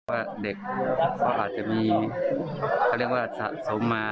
ว่าเด็กเขาอาจจะมีเขาเรียกว่าสะสมมา